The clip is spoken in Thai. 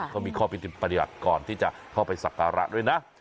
เขามีข้อผิดปฏิบัติก่อนที่จะเข้าไปสักการะด้วยนะ